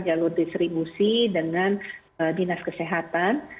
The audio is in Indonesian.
jalur distribusi dengan dinas kesehatan